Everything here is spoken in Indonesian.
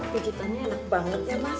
kejutannya enak banget ya mas